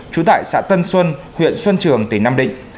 trú tại xã tân xuân huyện xuân trường tỉnh nam định